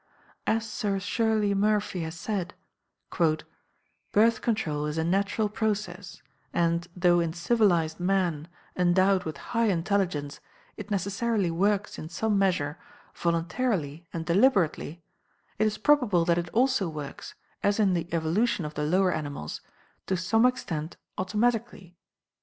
As Sir Shirley Murphy has said: "Birth Control is a natural process, and though in civilized men, endowed with high intelligence, it necessarily works in some measure voluntarily and deliberately, it is probable that it also works, as in the evolution of the lower animals, to some extent automatically."